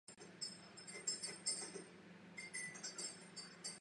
Nádrž je v ochranném pásmu se zákazem přístupu.